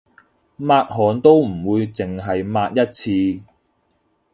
抹汗都唔會淨係抹一次